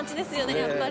やっぱり。